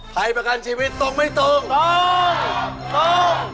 ใครประกันชีวิตตรงไม่ตรงตรง